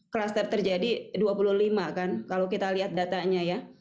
kluster terjadi dua puluh lima kan kalau kita lihat datanya ya